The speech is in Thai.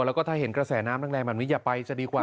แล้วก็ถ้าเห็นกระแสน้ำแรงแบบนี้อย่าไปจะดีกว่า